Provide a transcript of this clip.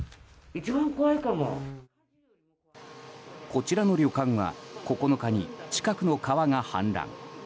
こちらの旅館は９日に近くの川が氾濫。